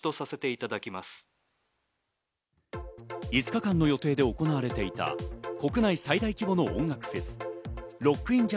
５日間の予定で行われていた国内最大規模の音楽フェス